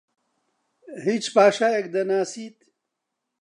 هیچ پاشایەک دەناسیت؟